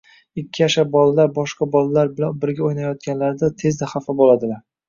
Ikki yashar bolalar boshqa bolalar bilan birga o‘ynayotganlarida tezda xafa bo‘ladilar